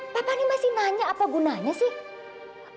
papa ini masih nanya apa gunanya sih